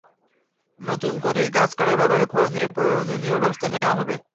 নতুন করে গাছ কাটার ব্যাপারে খোঁজ নিয়ে প্রয়োজনীয় ব্যবস্থা নেওয়া হবে।